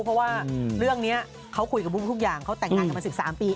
เพราะว่าเรื่องนี้เขาคุยกับลูกทุกอย่างเขาแต่งงานกันมา๑๓ปี